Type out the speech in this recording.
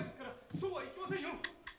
そうはいきませんよ。